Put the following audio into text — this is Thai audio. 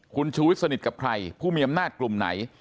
คุณชูวิทย์สนิทกับใครผู้มีอำนาจกลุ่มไหน